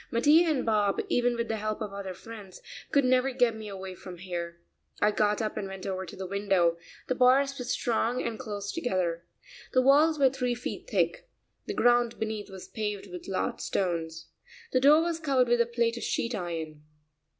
Mattia and Bob, even with the help of other friends, could never get me away from here. I got up and went over to the window; the bars were strong and close together. The walls were three feet thick. The ground beneath was paved with large stones. The door was covered with a plate of sheet iron....